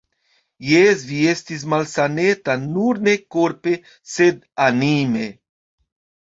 Jes, vi estis malsaneta, nur ne korpe, sed anime.